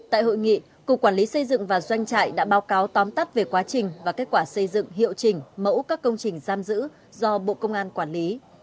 tại hội nghị cục quản lý xây dựng và doanh trại đã báo cáo tóm tắt về quá trình và kết quả xây dựng hiệu trình mẫu các công trình giam giữ do bộ công an quản lý